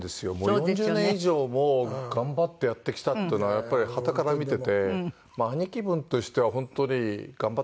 ４０年以上も頑張ってやってきたっていうのはやっぱりはたから見てて兄貴分としては本当に頑張ってきたなって。